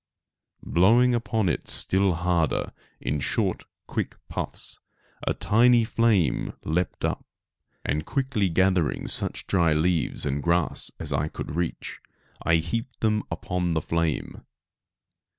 Blowing upon it still harder, in short quick puffs, a tiny flame leaped up; and quickly gathering such dry leaves and grass as I could reach, I heaped them upon the flame.